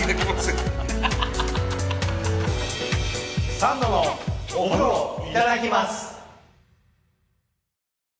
「サンドのお風呂いただきます」。